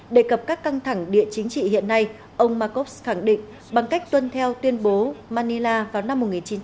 đề cập các căng thẳng địa chính trị hiện nay ông markovs khẳng định bằng cách tuân theo tuyên bố manila vào năm một nghìn chín trăm bảy mươi